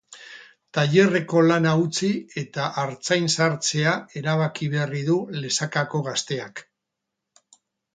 Tailerreko lana utzi eta artzain sartzea erabaki berri du lesakako gazteak.